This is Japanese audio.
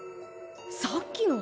さっきの！